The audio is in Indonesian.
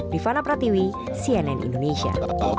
rifana pratiwi cnn indonesia